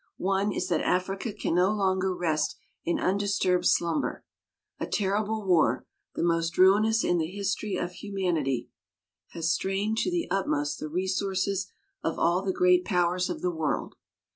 One is that Africa can no longer rest in undis turbed slumber. A terrible war, the most ruinous in the history of humanity, has strained to the utmost the resources of all the great powers of the world.